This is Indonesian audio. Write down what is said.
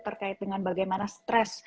terkait dengan bagaimana stres